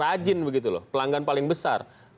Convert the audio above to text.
rajin begitu loh pelanggan paling besar